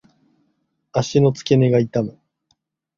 足の付け根が痛む。